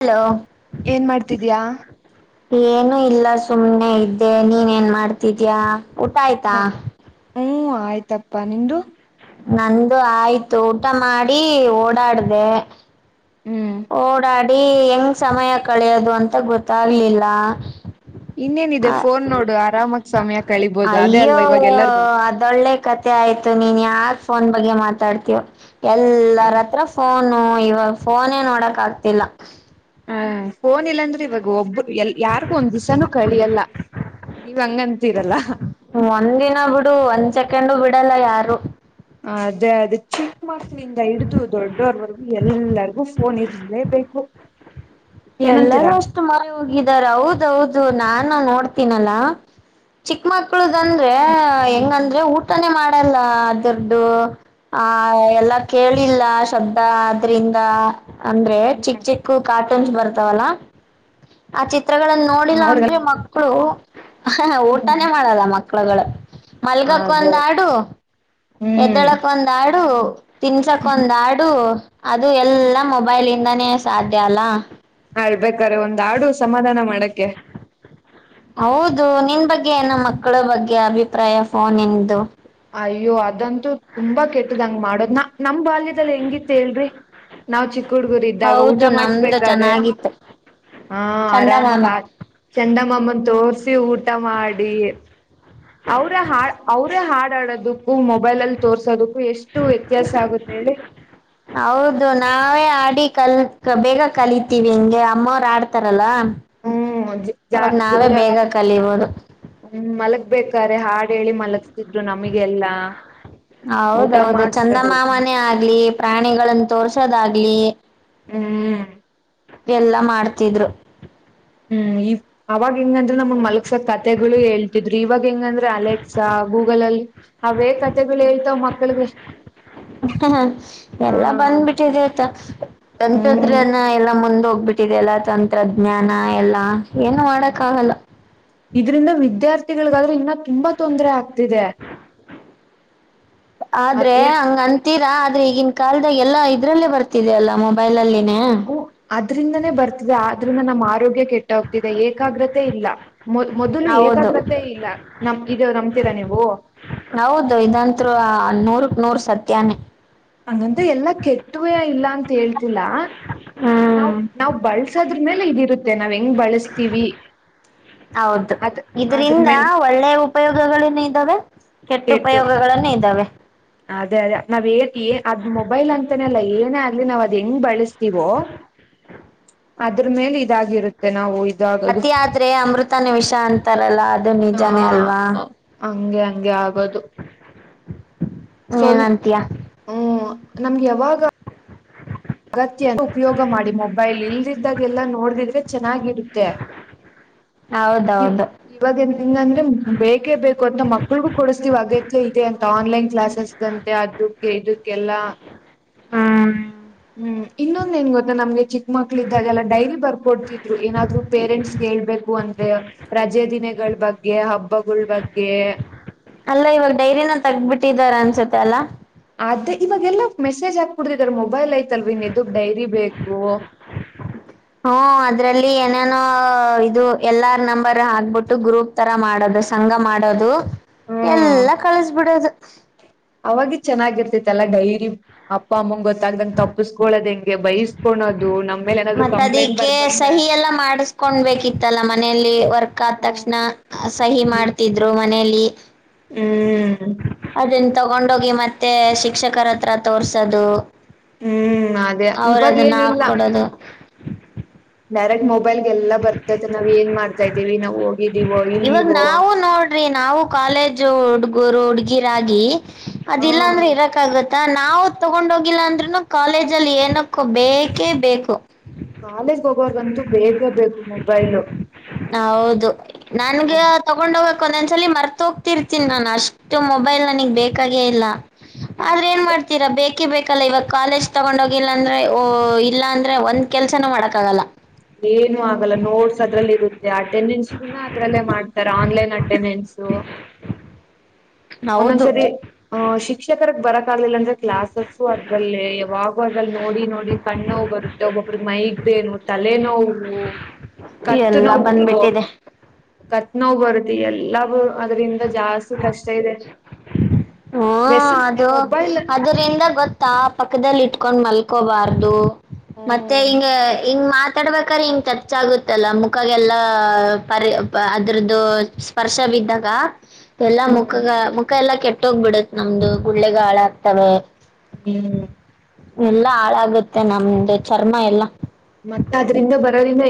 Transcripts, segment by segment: Hello ಏನ್ ಮಾಡ್ತಿದಿಯ ಏನು ಇಲ್ಲ ಸುಮ್ನೆ ಇದ್ದೆ ನೀನ್ ಏನ್ ಮಾಡ್ತಿದಿಯ ಊಟ ಆಯ್ತಾ ಹ್ಮ್ ಆಯ್ತಪ್ಪ ನಿಮ್ದು ನಂದು ಆಯ್ತು ಊಟ ಮಾಡಿ ಓಡಾಡ್ದ ಹ್ಮ್ ಓಡಾಡಿ ಹೆಂಗ್ ಸಮಯ ಕಳಿಯೋದು ಅಂತ ಗೊತ್ತಾಗ್ಲಿಲ್ಲ ಇನ್ನೇನಿದೆ ಫೋನ್ ನೋಡು ಆರಾಮಾಗ್ ಸಮಯ ಕಳಿಬಹುದು ಅದೇ ಅಲ್ವಾ ಇವಾಗ ಎಲ್ಲರಿಗೂ ಅದ್ ಒಳ್ಳೆ ಕಥೆ ಮ ಆಯ್ತು ನೀನ್ ಯಾರ ಫೋನ್ ಬಗ್ಗೆ ಮಾತಾಡ್ತೀಯು ಎಲ್ಲರ್ ಹತ್ರ ಫೋನು ಇವಾಗ್ ಫೋನ್ನೆ ನೋಡಕ್ ಆಗ್ತಿಲ್ಲ ಹ ಫೋನ್ ಇಲ್ಲಾಂದ್ರೆ ಇವಾಗ ಒಬ್ಬರು ಎಲ್ ಯಾರಿಗು ಒಂದ್ ದಿಸ ನೂ ಕಳಿಯಲ್ಲ ನೀವ್ ಹಂಗಂತೀರಲ್ಲ ಒಂದ್ ದಿನ ಬಿಡು ಒಂದ್ ಸೆಕೆಂಡು ಬಿಡಲ್ಲ ಯಾರು ಅದೆ ಅದು ಚಿಕ್ ಮಕ್ಳು ಮಕ್ಕ್ಳುಳಿಂದ ಹಿಡ್ದು ದೊಡ್ಡರ್ವಗು ಎಲ್ಲರಿಗು ಫೋನ್ ಇರ್ಲೇ ಬೇಕು ಎಲ್ಲರೂ ಅಷ್ಟು ಮಾರೆ ಹೋಗಿದಾರೆ ಹೌದೌದು ನಾನು ನೋಡ್ತೀನಲ್ಲ ಚಿಕ್ಕ ಮಕ್ಳದಂದ್ರೆ ಹೆಂಗಂದ್ರೆ ಊಟನೇ ಮಾಡಲ್ಲ ಅದ್ರದು ಆ ಎಲ್ಲ ಕೇಳಿಲ್ಲ ಶಬ್ದ ಆದ್ರಿಂದ ಅಂದ್ರೆ ಚಿಕ್ಕ ಚಿಕ್ಕ ಕಾರ್ಟೂನ್ಸ್ ಬರ್ತಾವಲ್ಲ ಆ ಚಿತ್ರಗಳಲ್ಲಿ ನೋಡಿಲ್ಲ ಅವ್ರಿಗೆಲ್ಲ ಅಂದ್ರೆ ಮಕ್ಕಳು. ಹ ಹ್ಮ್ ಊಟಾನೇ ಮಾಡಲ್ಲ ಮಕ್ಳುಗಳು ಮಲ್ಗಕ್ ಅದೇ ಒಂದ್ ಹಾಡು ಹ್ಮ್ ಎದಳಕ್ ಒಂದ ಹಾಡು ತಿನ್ಸಕ್ ಒಂದ್ ಹಾಡು ಅದು ಎಲ್ಲಾ ಮೊಬೈಲ್ ಎಂದಾನೇ ಸಾಧ್ಯ ಅಲ್ಲ. ಅಳ್ಬೇಕಾರೆ ಒಂದ್ ಹಾಡು ಸಮಾಧಾನ ಮಾಡಕ್ಕೆ ಹೌದು ನಿನ್ ಬಗ್ಗೆ ನ ಮಕ್ಕಳ ಬಗ್ಗೆ ಅಭಿಪ್ರಾಯ ಫೋನ್ ಇಂದು ಅಯ್ಯೋ ಅದಂತೂ ತುಂಬಾ ಕೆಟ್ಟದಂಗ ಮಾಡ್ದ ನ ನಮ್ ಬಾಲ್ಯ ಹೆಂಗಿತ್ತ ಹೇಳರಿ ನಾವ್ ಚಿಕ್ಕ ಹುಡ್ಗುರ್ ಇದ್ದಾಗ ಊಟ ಹೌದು ನಮ್ದು ಮಾಡಸ್ಬೇಕಾದ್ರೆ. ಚೆನ್ನಾಗಿತ್ತು ಹಾ ಆರಾಮಾಗ ಚಂದಮಾಮ ಆ. ಚಂದಮಾಮಾನ ತೋರ್ಸಿ ಊಟ ಮಾಡಿ ಅವರ ಹಾ ಅವ್ರ ಹಾಡು. ಮಾಡೋದಕ್ಕೂ ಮೊಬೈಲ್ ಅಲ್ಲಿ ತೋರ್ಸೋದಕ್ಕೂ ಎಷ್ಟು ವ್ಯತ್ಯಾಸ ಆಗುತ್ತೆ. ಹೌದು ನಾವೇ ಆಡಿ ಕಲ್ಕ್ ಬೇಗ ಕಲಿತೀವಿ ಹೆಂಗೆ ಅಮ್ಮವ್ರು ಆಡ್ತಾರಲ್ಲ. ಹ್ಮ್ ಜಾ ಅವಾಗ ನಾವೇ ಬೇಗ ಕಲಿಬೋದು. ಹ್ಮ ಮಲಗ್ಬೇಕಾರೆೆ ಹಾಡು ಹೇಳಿ ಮಲಗ್ತಿದ್ರು ನಮಗೆಲ್ಲಾ. ಊಟ ಹೌದೌದು ಮಾಡ್ಸದು. ಚಂದಮಾಮನೇ ಆಗ್ಲಿ. ಪ್ರಾಣಿಗಳನ್ನ ತೋರ್ಸೋದಾಗ್ಲಿ. ಹ್ಮ್. ಎಲ್ಲಾ ಮಾಡ್ತಿದ್ರು. ಹ್ಮ್ ಈ. ಅವಾಗ ಹೆಂಗಂದ್ರೆ ನಮ್ಗ್ ಮಲಕ್ಸ ಕತೆಗಳು ಹೇಳ್ತಿದ್ರಿ ಇವಾಗ ಹೆಂಗಂದ್ರೆ ಅಲೆಕ್ಸಾ ಗೂಗಲ್ ಅಲ್ಲಿ. ಅವೇ ಕತೆೆಗಳು ಹೇಳ್ತಾವ ಮಕ್ಳಿಗೆ.. ಹ ಎಲ್ಲಾ ಹ್ಮ್ ಬಂದ್ಬಿಟ್ಟಿದೆ ಆತ ಎಂತದ್ರನ ಎಲ್ಲಾ ಮುಂದ ಹೋಗ್ಬಿಟ್ಟ. ಈಗೆಲ್ಲ ತಂತ್ರಜ್ಞಾನ ಎಲ್ಲ ಏನು ಮಾಡಕ್ ಆಗಲ್ಲ. ಇದ್ರಂದ ವಿದ್ಯಾರ್ಥಿಗಳಿಗಾದ್ರೆ ಇನ್ನ ತುಂಬಾ ತೊಂದರೆ ಆಗ್ತಿದೆ. ಆದ್ರೆ ಏನ್ ಹಂಗಂತ. ಅಂತೀರಾ ಆದ್ರೆ ಈಗಿನ ಕಾಲಲ್ದಾಗ ಎಲ್ಲಾ ಇದ್ರಲ್ಲೇ ಬರ್ತಿದ ಅಲ್ಲ ಮೊಬೈಲ್ ಅಲ್ಲಿನೇ. ಅದ್ರಿಂದನೇ ಬರ್ತಿದೆ ಆದ್ರಿಂದ ನಮ್ಮ್ ಆರೋಗ್ಯ ಕೆಟ್ಟ ಹೋಗ್ತಿದೆ ಏಕಾಗ್ರತೆ ಇಲ್ಲ. ಮೊ ಮೊದಲು ಹೌದು ಏಕಾಗ್ರತೆ ಇಲ್ಲ ನಮ ಇದು ನಂಬ್ತೀರಾ ನೀವು. ಹೌದು ಇದಂತ್ರು ನೂರಕ್ ನೂರ್ ಸತ್ಯಾನೇ. ಹಂಗಂತ ಎಲ್ಲಾ ಕೆಟ್ಟುವೇ ಇಲ್ಲ ಅಂತ ಹೇಳ್ತಿಲ್ಲಾ. [inaudible] ನಾವ್ ನಾವ್ ಬಳಸೋದ್ರ ಮೇಲೆ ಇದಿರುತ್ತೆ ನಾವ್ ಹೆಂಗ್ ಬಳಸ್ತೀವಿ. ಹೌದು ಅದ್ ಅದ್ರ ಇದರಿಂದ ಮೇಲೆ ಒಳ್ಳೆ ಉಪಯೋಗಗಳೇನು ಇದ್ದಾವೆ. ಕೆಟ್ಟ ಕೆಟ್ಟು ಉಪಯೋಗಗಳನ್ನೇ ಇದ್ದಾವೆ.. ಅದೇ ಅದೇ ನಾವ್ ಏನ್ ಏ ಅದ್ ಮೊಬೈಲ್ ಅಂತಾನ ಅಲ್ಲ ಏನೇ ಆಗ್ಲಿ ನಾವ್ ಅದ್ ಹೆಂಗ್ ಬಳಸ್. ತ್ತಿವೋ ಅದ್ರ ಮೇಲೆ ಇದಾಗಿರುತ್ತೆ ನಾವು. ಇದಾಗೋದು ಅತಿ ಆದ್ರೆ ಅಮೃತ ನು ವಿಷ ಅಂತಾರಲ್ಲ. ನಿಜಾನೇ ಅಲ್ವಾ ಹಾ ಹಂಗೆ ಹಂಗೆ ಆಗೋದು. ಸ್ವಲ್ ಏನಂತೀಯ ಹ ನಮ್ಗೆ ಯಾವಾಗ. ಅಗತ್ಯ ಉಪಯೋಗ ಮಾಡಿ ಮೊಬೈಲ್ ಇಲ್ದಿದ್ದಾಗ ಎಲ್ಲಾ ನೋಡದಿದ್ರೆ ಚೆನ್ನಾಗಿರುತ್ತೆ. [inaudible] ಹೌದೌದು. ಇವಾಗ ನ್ಂಗ ಅಂದ್ರೆ ಬೇಕೇ ಬೇಕು ಅಂತ ಮಕ್ಳಗೂ ಕೊಡಿಸತಿವ ಅಗತ್ಯ ಇದೆ ಅಂತ ಆನ್ಲೈನ್ ಕ್ಲಾಸಸ್. ಅಂತೆ ಅದ್ದಕ್ಕೆ ಇದಕ್ಕೆಲ್ಲ. ಹ್ಮ್ ಹ್ಮ್ ಇನ್ನೊಂದ ಏನ್ ಗೊತ್ತ ನಮ್ಗೆ ಚಿಕ್ಕ ಮಕ್ಳ ಇದ್ದಾಗೆಲ್ಲಾ ಡೈರಿ ಬರ್ಕೊಡ್ತಿದ್ರು ಏನಾದ್ರು ಪೇರೆಂಟ್ಸ್ ಹೇಳ್ಬೇಕು. ಕು ಅಂದ್ರೆ ರಜೆ ದಿನಗಳ ಬಗ್ಗೆ ಹಬ್ಬಗಳ ಬಗ್ಗೆ. ಅಲ್ಲ ಇವಾಗ ಡೈರಿನ ತಗದ ಬಿಟ್ಟಿದಾರ ಅನ್ಸತ್ತೆ ಅಲ್ಲಾ. ಅ ಇವಾಗೆಲ್ಲ ಮೆಸೇಜ್ ಹಾಕ್ಬಡತಿದ್ದಾರೆ ಮೊಬೈಲ್ ಐತಲ್ವ ಇನ್ದುಗ್ ಡೈರಿ ಬೇಕು. ಹ್ಮ ಅದ್ರಲ್ಲಿ ಏನೇನೋ ಇದು ಎಲ್ಲಾರ್ ನಂಬರ್ ಹಾಕ್ಬಿಟ್ಟು ಗ್ರೂಪ್. ತರ ಮಾಡೋದು ಸಂಘ ಮಾಡೋದು ಹ್ಮ್ ಎಲ್ಲಾ ಕಳಸ್ಬಿಡೋದು. ಅವಾಗ ಚೆನ್ನಾಗಿರ್ತಿತ್ತಲ್ಲ ಡೈರಿ ಅಪ್ಪ ಅಮ್ಮಂಗ ಗೊತ್ತಾಗದಂಗ ತಪ್ಪಸ್ಕೊಳದ ಹೆಂಗ. ಬಯಸ್ಕೊಳ್ಳೋದು ನಮ್ಮ. ಮತ್ತ ಅದಿಕ್ಕೆ ಸಹಿ ಎಲ್ಲ ಮಾಡಿಸಕೊೊಂಡ್ಬೇಕಿತ್ತಲ್ಲ ಮನೆಯಲ್ಲಿ ವರ್ಕ್ ಆದ ತಕ್ಷಣ. ಹ್ಮ್ ಸಹಿ ಮಾಡ್ತಿದ್ರು ಮನೇೆಯಲ್ಲಿ. ಹ್ಮ್. ಅದನ್ ತಗೊಂಡೋಗಿ ಮತ್ತೆ ಶಿಕ್ಷಕರ ಹತ್ರ ತೋರ್ಸೋದು. ಹ್ಮ್ ಅದೇ ಅವ್ರ ಇವಾಗ ಅದನ್ನ ಹಾಕ್ ಏನಿಲ್ಲ ಕೊಡೋದು. ಡೈರೆಕ್ಟ್ ಮೊಬೈಲ್ಗೆಲ್ಲ ಬರ್ತೈತೆ ನಾವ್ ಏನ್ ಮಾಡ್ತಾ ಇದ್ದೀವಿ ನಾವು. ಇವಾಗ ನಾವು ನೋಡ್. ರಿ ನಾವು ಕಾಲೇಜ್ ಹುಡುಗರು ಹುಡ್ಗಿರಗಿ ಹಾ ಅದಲ್ಲಾ ಅಂದ್ರೆ ಇರಕ್ ಆಗತ್ತ. ನಾವು ತಗೊಂಡ ಹೋಗಿಲ್ಲ ಅಂದ್ರುನು ಕಾಲೇಜ ಅಲ್ಲಿ ಏನಕ್ಕ ಬೇಕೇ ಬೇಕು. ಕಾಲೇಜ ಹೋಗವರ್ಗಂತೂ ಬೇಕೆ ಬೇಕು ಮೊಬೈಲು. ಹೌದು ನನ್ಗೆ. ಅದ್ ತಗೊಂಡ್ ಹೋಗಕ್ ಒಂದೊಂದ್ಸಲಿ ಮರ್ತ ಹೋಗ್ತಿರ್ತೀನಿ ನಾನ್ ಅಷ್ಟು ಮೊಬೈಲ್ ನನಗ್ ಬೇಕಾಗೇ ಇಲ್ಲ. ಆದ್ರೆ ಏನ್ ಮಾಡ್ತೀರಾ ಬೇಕ. ಬೇಕೆ ಬೇಕಲ್ಲ ಇವಾಗ ಕಾಲೇಜ್ ತಗೊಂಡೋಗಿಲ್ಲ ಅಂದ್ರೆ ಇಲ್ಲ ಅಂದ್ರೆ ಒಂದ್ ಕೆಲ್ಸನ ಮಾಡಕ್ಕ ಆಗಲ್ಲ. ಏನು ಆಗಲ್ಲ ನೋಡ್ಸ ಅದ್ರಲ್ಲಿ ಇರುತ್ತೆ. ಅಟೆಂಡೆನ್ಸ್ ಕೂ ಅದ್ರಲ್ಲೇ ಮಾಡ್ತಾರೆ ಆನ್ಲೈನ್ ಅಟೆಂಡೆನ್ಸ್. ಹೌದು ಒಂದೊಂದ್ಸರಿ ಅ ಶಿಕ್ಷಕರ ಬರಕ್ ಆಗ್ಲಿಲ್ಲ ಅಂದ್ರೆ. ಕ್ಲಾಸಸ್ಸು ಅದ್ರಲ್ಲೇ ಯಾವಾಗೂ ಅದ್ರಲ್ಲಿ ನೋಡಿ ನೋಡಿ ಕಣ್ಣ ನೋವ್ ಬರುತ್ತೆ ಒಬ್ಬೊಬ್ರಿಗೆ ಮೈಗ್ರೇನ್. ತಲೆನೋವು ಕತ್ತು ಎಲ್ಲ ನೋವು. ಬಂದ್ಬಿಟ್ಟಿದೆ ಕತ್ ನೋವ ಬರ್ತೆ ಎಲ್ಲರೂ ಅದ್ರಿಂದ ಜಾಸ್ತಿ ಕಷ್ಟ ಇದೆ. ಹ್ಮ ವ್ಯಸನ್ ಅದು ಮೊಬೈಲ್ ಅದರಿಂದ ಗೊತ್ತ. ತಾ ಪಕ್ಕದಲ್ಲಿ ಇಟ್ಕೊಂಡ್ ಮಲ್ಕೋಬಾರ್ದು ಮತ್ತೆ ಹ್ಮ್ ಹಿಂಗ. ಹಿಂಗ ಮಾತಾಡ್ಬೇಕಾದ್ರೆ ಹಿಂ ಚಚ್ಗುತ್ತಲ್ಲ ಮುಖಗೆಲ್ಲ ಪರಿ ಅದರದ್ದು. ಸ್ಪರ್ಶವಿದ್ದಾಗ. ಎಲ್ಲಾ ಮುಖಗ ಮುಖ ಎಲ್ಲಾ ಕೆಟ್ಟೋಗ್ಬಿಡತ್ ನಮ್ದು ಗುಳ್ಳೆಗಾಳಾಗಕ್ತವೆ. ಹ್ಮ್. ಎಲ್ಲಾ ಹಾಳಾಗುತ್ತೆ ನಮ್ದು ಚರ್ಮ ಎಲ್ಲ. ಮತ್ತ ಅದ್ರಿಂದ ಬರೋದ್ರಿಂದ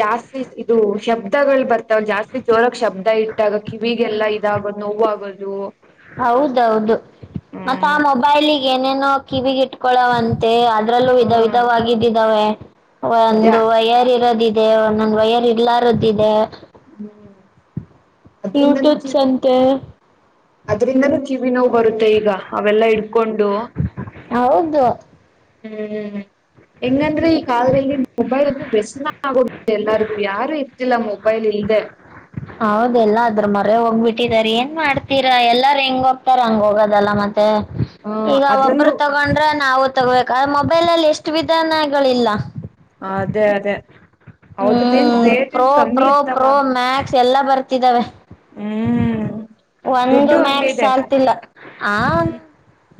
ಜಾಸ್ತಿ ಇದು ಶಬ್ದಗಳು ಬರ್ತಾವ ಜಾಸ್ತಿ. ಜೋರಕ್ ಶಬ್ದ ಇಟ್ಟಾಗ ಕಿವಿಗೆಲ್ಲಾ ಇದಾಗೋದು ನೋವುಾಗೋದು. ಹೌದೌದು ಮತ್ತ ಆ ಹ್ಮ್ ಮೊಬೈಲ್ಗೆ ಏನೇನೋ ಕಿವಿಗೆ ಇಟ್ಕೊಳವಂತೆ. ಅದ್ರಲ್ಲೂ ವಿಧ ವಿಧವಾಗಿದ್ದಿದ್ದಾವೆ ಅದ್ಯಾ ಒಂದು ವಯರ್ ಇರೋದ. ಇದೇ ಒಂದ ಒಂದ ವಯರ್ ಇರ್ಲಾರಧಿದೆ. ಹ್ಮ್. ಬ್ಲೂಟೂತ್ಸ್ ಅಂತು. ಅದ್ರಿಂದಲೂ ಕಿವಿ ನೋವು ಬರುತ್ತೆ ಈಗ ಅವೆಲ್ಲಾ ಇಡ್ಕೊಂಡು. ಹೌದು. ಹ್ಮ್. ಹೆಂಗಂದ್ರೆ ಈ ಕಾಲದಲ್ಲಿ ಮೊಬೈಲ್ ವ್ಯಸನ ಆಗೋ ಎಲ್ಲರಿಗು ಯಾರು ಇರ್ತಿಲ್ಲ ಮೊಬೈಲ್ ಇಲ್ದೆ. ಹೌದಲ್ಲ ಅದ್ರ ಮರೆ ಹೋಗ್ಬಿದ್ದಾರೆ ಏನ್ ಮಾಡ್ತೀರಾ ಎಲ್ಲಾರ ಹೆಂಗ ಹೋಗ್ತಾರ ಹಂಗ ಹೋಗದಲ್ಲ ಮತ್ತೆ. ಹ ಈಗ ಅದ್ರಲ್ಲೂ ಒಬ್ಬರು ತಗೊಂಡ್ರೆ ನಾವು ತಗೋಬೇಕ ಮೊಬೈಲ್ ಅಲ್ಲಿ ಎಷ್ಟು ವಿಧಾನಗಳಿಲ್ಲ. ಅದೇ ಅದೇ. ಅವ್ರದ್ದ ಏನ್ ಹ್ಮ್ ರೇಟ್ ಪ್ರೋ ಏನ್ ಕಮ್ಮಿ ಪ್ರೋ ಇರ್ತಾವ ಪ್ರೋ ಮ್ಯಾಕ್ಸ್ ಎಲ್ಲಾ ಬರ್ತಿದ್ದಾವೆ. ಹ್ಮ್. ಒಂದು ದುಡ್ಡು ಹಂಗೆ ಮ್ಯಾಕ್ಸ್ ಇದೆ ಸಾಲ್ಟಿಲ್ಲ ಆ. ಹ್ಮ್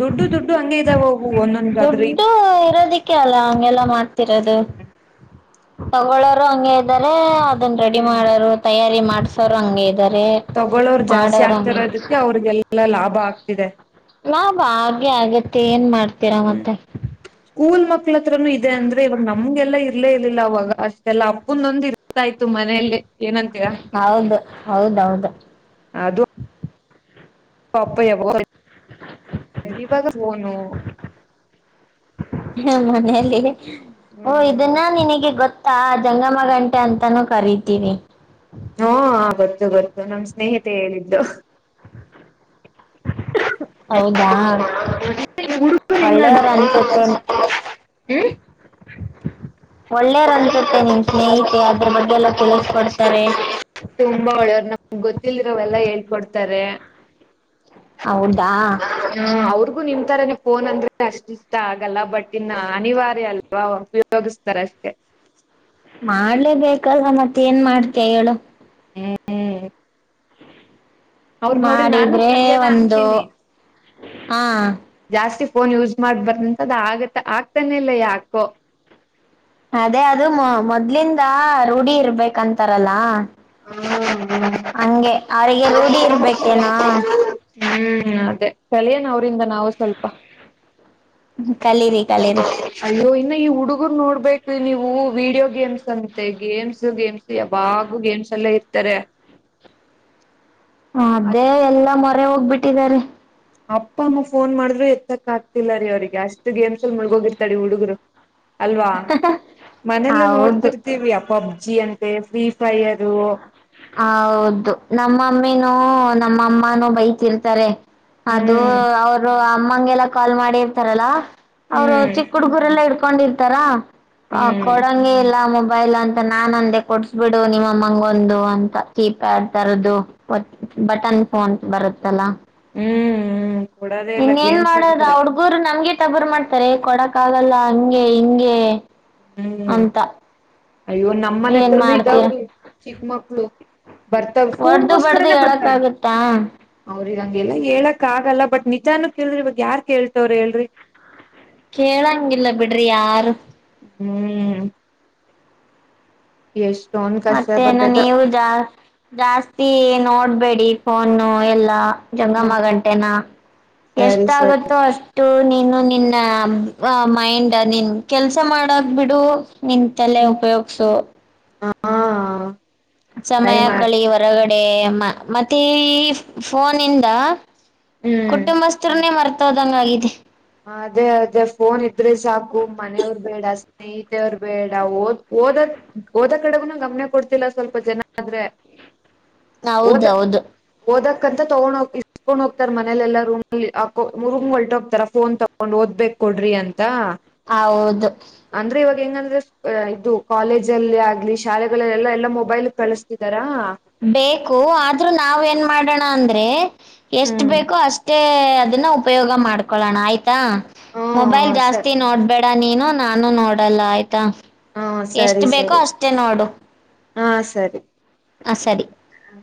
ದುಡ್ಡು ದುಡ್ಡು ಹಂಗೆ ಇದ್ದಾವವು ಒಂದೊಂದು ಗದ್ರಿ ಕೆ ಅಲ್ಲ ಹಂಗೆಲ್ಲ ಮಾಡ್ತಿರೋದು ತಗಳೋರು ಹಂಗೆ ಇದ್ದಾರೆ ಅದನ್ನ ರೆಡಿ ಹ್ಮ್ ಮಾಡೋರು ತಯಾರಿ ಮಾಡಸೋರು ಹಂಗೆ ಇದ್ದಾರೆ ತಗೊಳೋರ್ ಜಾಸ್ತಿ ಮಾಡೋರು ಹಂಗೆ ಆಗ್ತಿರೋದುಕ್ಕೆ ಅವ್ರಿಗೆಲ್ಲಾ ಲಾಭ ಆಗ್ತಿದೆ ಲಾಭ ಆಗೇ ಆಗತೆ ಏನ್ ಮಾಡ್ತೀರಾ ಹ್ಮ್ ಮತ್ತೆ ಸ್ಕೂಲ್ ಮಕ್ಳತ್ರನು ಇದೆ ಅಂದ್ರೆ ಇವಾಗ ನಮ್ಗೆಲ್ಲ ಇರ್ಲೇ ಇರ್ಲಿಲ್ಲ ಅವವಾಗ ಅಷ್ಟೆಲ್ಲ ಅಪ್ಪಂದೊಂದು ಇರ್ ಗಾಯ್ತು ಮನೆಯಲ್ಲಿ ಏನಂತೀರಾ ಹೌದು ಹೌದೌದು ಅದು [unintelligible] ಮನೆಯಲ್ಲಿ ಓ ಹ್ಮ್ ಇದನ್ನ ನಿನಗೆ ಗೊತ್ ಆ ಜಂಗಮ್ಮ ಗಂಟೆ ಅಂತಾನೂ ಕರತೀವಿ ಹಾ ಗೊತ್ತು ಗೊತ್ತು ನಮ್ ಸ್ನೇಹಿತೆ ಹೇಳಿದ್ರು ಹೌದಾ ಹುಡುಗರು ಒಳ್ಳೆಯವರು ಅನ್ಸುತ್ತೆ ಹ್ಮ ಒಳ್ಳೇರ್ ಅನ್ಸುತ್ತೆ ನಿಮ್ ಸ್ನೇಹಿತೆ ಅದ್ರ ಬಗ್ಗೆ ಎಲ್ಲ ತಿಳಿಸ್ಕೊಡ್ತಾರೆ ತುಂಬಾ ಒಳ್ಳೆಯವ್ರ ನಮ್ಗ್ ಗೊತ್ತಿಲ್ರ ಅವೆಲ್ಲಾ ಹೇಳ್ಕೊಡ್ತಾರೆ ಹೌದಾ ಹ್ಮ್ ಅವ್ರಿಗೂ ನಿಮ ತರನೆ ಫೋನ್ ಅಂದ್ರೆ ಅಷ್ಟ ಇಷ್ಟ ಆಗಲ್ಲ ಬಟ್ ಇನ್ನು ಅನಿವಾರ್ಯ ಅಲ್ಲ ಉಪಯೋಗಿಸ್ತಾರ ಅಷ್ಟೇ ಮಾಡ್ಲೇಬೇಕಲ್ವಾ ಮತ್ ಏನ್ ಮಾಡ್ತೀಯ ಹೇಳು ಹ್ಮ್ ಹ್ಮ್ ಅವ್ರ್ ನೋಡಿ ನಾನು ಮಾಡಿದ್ರೆ ಕಲಿಯೋಣ ಒಂದು ಅಂತೀನಿ ಅಂ ಜಾಸ್ತಿ ಫೋನ್ ಯೂಸ್ ಮಾಡ್ಬಾರ್ದ ಅಂತ ಅದ್ ಆಗತ್ತ ಆಗ್ತಾನೆ ಇಲ್ಲ ಯಾಕೋ ಅದೇ ಅದು ಮ ಮೊದ್ಲಿಂದ ರೂಢಿ ಇರ್ಬೇಕಂತಾರಲ್ಲ ಅಂ ಹುಂ ಹಂಗೆ ಅವರಿಗೆ ರೂಢಿ ಇರ್ಬೇಕೇನ ಹ್ಮ್ ಅದೇ ಕಲಿಯನ ಅವ್ರಂದ ನಾವು ಸ್ವಲ್ಪ ಕಲಿರಿ [inaudible] ಅಯ್ಯೋ ಇನ್ನು ಈ ಹುಡುಗರ್ ನೋಡ್ಬೇಕು ನೀವು ವೀಡಿಯೋ ಗೇಮ್ಸ್ ಅಂತೆ ಗೇಮ್ಸ್ ಗೇಮ್ಸ್ ಯಾವಾಗೂ ಗೇಮ್ಸ್ ಅಲ್ಲೆ ಇರ್ತಾರೆ ಆ ಅದೇ ಎಲ್ಲಾ ಮೊರೆ ಹೋಗ್ಬಿಟ್ಟಿದ್ದಾರೆ ಅಪ್ಪ ಅಮ್ಮ ಫೋನ್ ಮಾಡಿದ್ರು ಎತ್ತಕ್ ಆಗ್ತಿಲ್ಲ ರೀ ಅವ್ರಿಗೆ ಅಷ್ಟು ಗೇಮ್ಸ್ ಅಲ್ಲಿ ಮುಳಗೋಗಿತಳ ಹುಡುಗರು ಅಲ್ವಾ ಮನೇಲೆ ಹೌದು ನೋಡ್ತಿರ್ತೀವಿ ಅಪ್ಪ ಅಮ್ಮ ಜಿ ಅಂತೆ ಫ್ರೀಫೈರ್ ಹೌದು ನಮ್ಮಮ್ಮಿನೂ ನಮ್ ಅಮ್ಮಾನೂ ಬೈತಿರ್ರ್ತಾರೆ ಅದು ಹ್ಮ್ ಅವರು ಅಮ್ಮಗೆಲ್ಲ ಕಾಲ್ ಮಾಡಿರ್ತಾರಲ್ಲಾ ಅವರು ಹ್ಮ್ ಚಿಕ್ಕ ಹುಡುಗುರೆಲ್ಲ ಹಿಡ್ಕೊಂಡಿರ್ತಾರ ಹ್ಮ್ ಹ್ಮ್ ಕೊಡಂಗೆ ಇಲ್ಲ ಮೊಬೈಲ್ ಅಂತ ನಾನ್ ಅಂದೆ ಕೊಡ್ಸ್ಬಿಡು ನಿಮ್ಮಂಗ ಒಂದು ಅಂತ ಕೀಪ್ಯಾಡ್ ತರದು ಬಟನ್ ಫೋನ್ ಬರುತ್ತಲ್ಲಾ ಹ್ಮ್ ಕೊಡೋದೇ ಇಲ್ಲ ಇನ್ನ ಏನ್ ಗೇಮ್ಸ್ ಮಾಡೋದ ಆಡ್ತಾರೆ ಅವಡು ರು ನಮ್ಗೆ ತಬರ್ ಮಾಡ್ತಾರೆ ಕೊಡಕ್ ಆಗಲ್ಲ ಹಂಗೆ ಹಿಂಗೆ ಹ್ಮ್ ಅಂತ ಅಯ್ಯೋ ನಮ್ ಮನೆ ಏನ್ ಹತ್ರನು ಮಾಡ್ತೀರ ಇದಾವ್ರಿ ಚಿಕ್ಕ ಮಕ್ಳು ಬರ್ತವ್ ಒಡ್ದು ಬಡ್ದು ಫೋನ್ಗೋಸ್ಕರನೇ ಬರ್ತವೆ ಹೇಳಕ್ಕಾಗುತ್ತಾ ಅವ್ರಿಗ್ ಹಂಗ್ ಹೇಳಕ್ ಆಗಲ್ಲ ಬಟ್ ನಿಜಾನು ತಿಳಿದು ಇವಾಗ ಯಾರ್ ಕೇಳ್ತಾರ್ ಹೇಳ್ರಿ. ಕೇಳಂಗಿಲ್ಲ ಬಿಡ್ರಿ ಯಾರು. ಹ್ಮ್ ಎಷ್ಟೋಂದ್ ಕಷ್ಟ ಮತ್ತೇನು ಬರ್ತೈತ ನೀವು ಜಾ ಜಾಸ್ತಿ ನೋಡ್ಬೇಡಿ ಫೋನು ಎಲ್ಲಾ ಹ್ಮ ಜಂಗಮ್ಮ ಗಂಟೆನ ಎಷ್ಟ ಸರಿ ಸರಿ ಆಗುತ್ತೋ ಅಷ್ಟು ನೀನು ನಿನ್ನ ಮೈಂಡ್ ನಿನ್ ಕೆಲ್ಸ ಮಾಡಕ್ ಬಿಡು ನಿನ್ ತಲೆ ಹ್ಮ್ ಉಪಯೋಗಿಸು ಹಾ ಟ್ರೈ ಸಮಯ ಮಾಡ್ತ ಕಳಿ ಹೊರಗಡೆ ಮ ಮತ್ತೆ ಈ ಫೋನು ಇಂದ. ಹ್ಮ್ ಕುಟುಂಬಸ್ಥರುನೆೇ ಮರ್ತೋದಂಗಾಗಿದೆ. ಅದೇ ಅದೇ ಫೋನ್ ಇದ್ರಿ ಸಾಕು ಮನೆಯವ್ರ ಬೇಡ ಸ್ನೇಹಿತರು ಬೇಡ ಓದ್ ಓದದು ಓದು ಕಡೆಗನು ಗಮನ ಕೊಡ್ತಿಲ್ಲ ಸ್ವಲ್ಪ ಜನ ಆದ್ರೆ. ಹ [unintelligible] ಹೌದೌದು ಓದಕಂತ ತಗೊಂಡ ಹೋಗಿ ಇಸ್ಕೊಂಡ್ ಹೋಗ್ತಾರೆ ಮನೇಲೆಲ್ಲ ರೂಮ್ಲ್ಅಲ್ಲಿ ಹಾಕು ರೂಮ್ ಹೊಲ್ಟ ಹೋಗ್ತಾರೆ. ಫೋನ್ ತಗೊಂಡ್ ಓದ್ಬೇಕ್ ಕೊಡ್ರಿ ಅಂತ. ಹೌದು ಅಂದ್ರೆ ಇವಾಗ ಹೆಂಗಂದ್ರೆ ಇದು ಕಾಲೇಜಲ್ಲಿ ಆಗ್ಲಿ ಶಾಲೆಗಳೆಲ್ಲೆಲ್ಲಾ ಎಲ್ಲಾ ಮೊಬೈಲ್ ಕಳುಸ್ತಿದರ. ಬೇಕು ಆದ್ರೂ ನಾವ ಏನ್ ಮಾಡೋಣ ಅಂದ್ರೆ. ಎಷ್ಟ ಹ್ಮ್ ಬೇಕೋ ಅಷ್ಟೇ ಅದನ್ನ ಉಪಯೋಗ ಮಾಡ್ಕೊಳ್ಳೋಣ ಆಯ್ತಾ. ಮೊಬೈಲ್ ಹ್ಮ ಜಾಸ್ತಿ ಸರಿ ನೋಡ್ಬೇಡ ನೀನು ನಾನು ನೋಡಲ್ಲ ಆಯ್ತಾ. ಹಾ ಎಷ್ಟ್ ಸರಿ ಬೇಕೋ ಸರಿ ಅಷ್ಟೇ ಹಾ ಸರಿ ಹ ಸರಿ ಹಾ